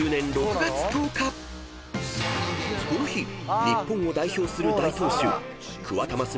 ［この日日本を代表する大投手］